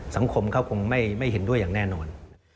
สังคมเขาคงไม่เห็นด้วยอย่างแน่นอน